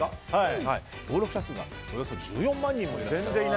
登録者数がおよそ１４万人もいると。